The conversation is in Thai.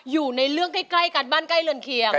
อยู่ในเรื่องใกล้กันบ้านใกล้เรือนเคียง